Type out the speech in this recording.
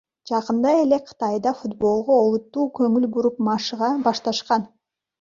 Жакында эле Кытайда футболго олуттуу көңүл буруп машыга башташкан.